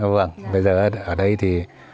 vâng bây giờ ở đây thì